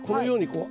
こう。